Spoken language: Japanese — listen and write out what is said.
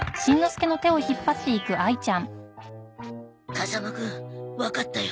風間くんわかったよ。